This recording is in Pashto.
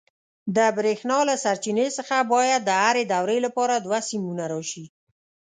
د برېښنا له سرچینې څخه باید د هرې دورې لپاره دوه سیمونه راشي.